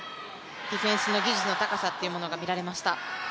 ディフェンスの技術の高さが見られました。